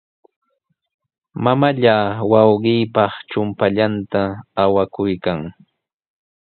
Mamallaa wawqiipa chumpallanta awakuykan.